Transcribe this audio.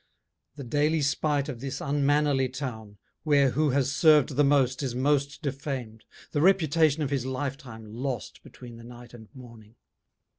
The daily spite of this unmannerly town, Where who has served the most is most defamed, The reputation of his lifetime lost Between the night and morning.